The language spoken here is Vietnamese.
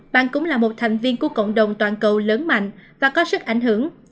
bang cũng là một thành viên của cộng đồng toàn cầu lớn mạnh và có sức ảnh hưởng